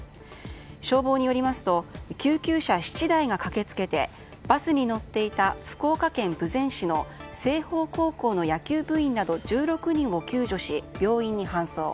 消防によりますと救急車７台が駆けつけてバスに乗っていた福岡県豊前市の青豊高校の野球部員など１６人を救助し、病院に搬送。